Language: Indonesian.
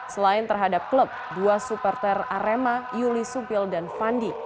selain terhadap klub dua supporter arema yuli supil dan fandi